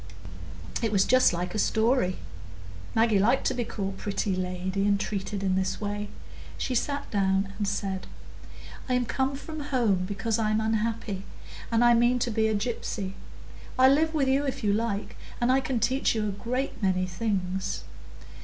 It was just like a story; Maggie liked to be called pretty lady and treated in this way. She sat down and said,— "I'm come from home because I'm unhappy, and I mean to be a gypsy. I'll live with you if you like, and I can teach you a great many things."